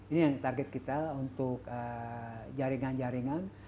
ini yang target kita untuk jaringan jaringan